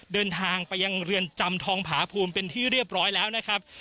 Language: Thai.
เดินทางไปยังเรือนจำทองผาภูมิเป็นที่เรียบร้อยแล้วนะครับ